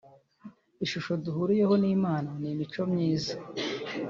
Ishusho duhuriyeho n’Imana ni imico myiza